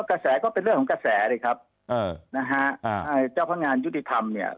ก็เป็นเรื่องของกระแสเลยครับนะฮะเจ้าพนักงานยุติธรรมเนี่ย